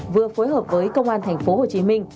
vừa phối hợp với công an thành phố hồ chí minh